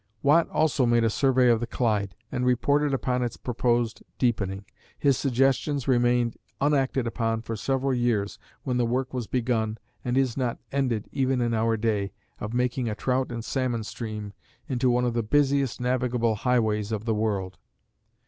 Watt also made a survey of the Clyde, and reported upon its proposed deepening. His suggestions remained unacted upon for several years, when the work was begun, and is not ended even in our day, of making a trout and salmon stream into one of the busiest, navigable highways of the world.